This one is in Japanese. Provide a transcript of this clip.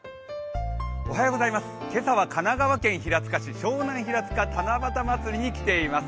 今朝は神奈川県平塚市湘南ひらつか七夕まつりに来ています。